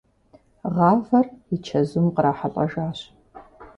Гъавэр и чэзум кърахьэлӀэжащ.